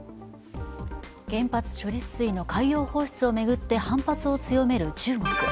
原発処理水の海洋放出を巡って反発を強める中国。